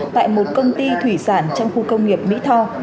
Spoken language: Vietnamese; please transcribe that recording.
tại một công ty thủy sản trong khu công nghiệp mỹ tho